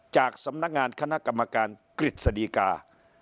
จากสำนักงานคณะกรรมการกฤษฎีกา